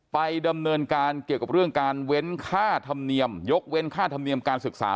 ไปดำเนินการเกี่ยวกับเรื่องการยกเว้นค่าทำเนียมการศึกษา